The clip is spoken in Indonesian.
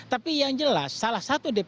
tapi yang jelas salah satu dpp